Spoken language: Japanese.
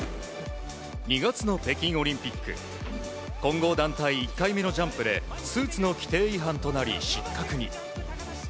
２月の北京オリンピック混合団体１回目のジャンプでスーツの規定違反となり失格に。